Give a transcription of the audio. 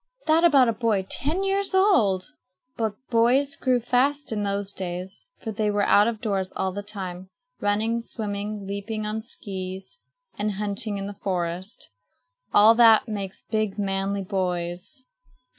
That about a boy ten years old! But boys grew fast in those days for they were out of doors all the time, running, swimming, leaping on skees, and hunting in the forest. All that makes big, manly boys.